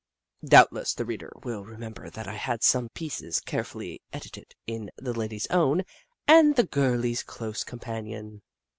Doubtless the reader will remember that I had some pieces, care fully edited, in The Ladies Own and The Girlies Close Companion.